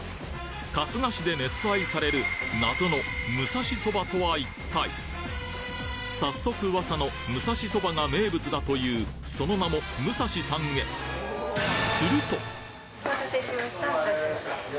春日市で熱愛される早速噂の武蔵そばが名物だというその名も武蔵さんへお待たせしました。